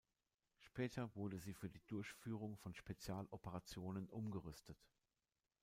Später wurde sie für die Durchführung von Spezialoperationen umgerüstet.